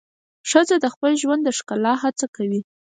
ښځه د خپل ژوند د ښکلا هڅه کوي.